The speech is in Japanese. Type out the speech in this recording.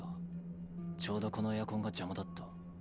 ちょうどこのエアコンが邪魔だった。